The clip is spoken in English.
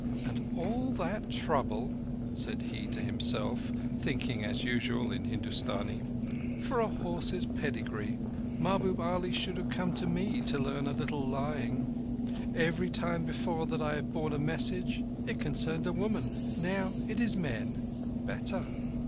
"And all that trouble," said he to himself, thinking as usual in Hindustani, "for a horse's pedigree! Mahbub Ali should have come to me to learn a little lying. Every time before that I have borne a message it concerned a woman. Now it is men. Better.